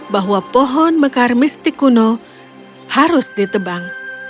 bahwa pohon mekar mistik kuno harus ditebang